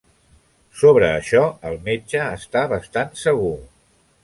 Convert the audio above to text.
Sobre això, el metge està bastant segur.